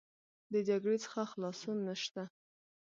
د جګړې څخه خلاصون نشته.